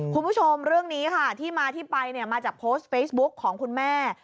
คุณผู้ชมเรื่องนี้ค่ะที่มาที่ไปเนี่ยมาจากโพสต์เฟซบุ๊กของคุณแม่